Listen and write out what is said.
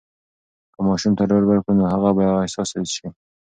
که ماشوم ته ډاډ ورکړو، نو هغه به بااحساسه سي.